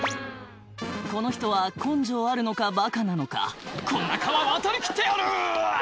この人は根性あるのかバカなのか「こんな川渡りきってやる！」